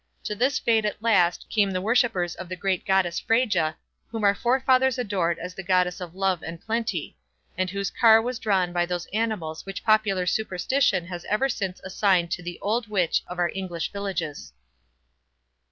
To this fate at last, came the worshippers of the great goddess Freyja, whom our forefathers adored as the goddess of love and plenty; and whose car was drawn by those animals which popular superstition has ever since assigned to the "old witch" of our English villages.